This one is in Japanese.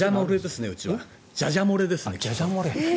うちはじゃじゃ漏れですね。